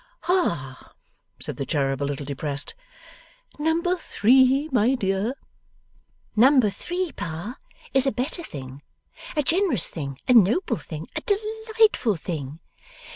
'Hah!' said the cherub, a little depressed. 'Number three, my dear?' 'Number three, Pa, is a better thing. A generous thing, a noble thing, a delightful thing.